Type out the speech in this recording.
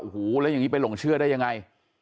โอ้โหแล้วอย่างนี้ไปหลงเชื่อได้ยังไง